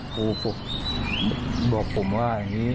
ครูฝึกบอกผมว่าอย่างนี้